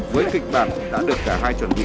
với kịch bản đã được cả hai chuẩn bị